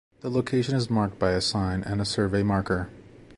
The location is marked by a sign and a survey marker.